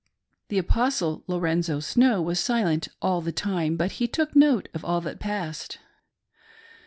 The Apostle Lorenzo Snow was silent all the time, but he took note of all that passed.